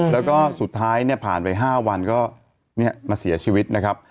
แล้วก็สุดท้ายเนี่ยผ่านไป๕วันก็มาเสียชีวิตนะครับ